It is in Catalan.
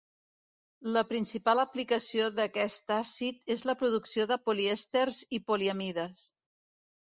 La principal aplicació d'aquest àcid és la producció de polièsters i poliamides.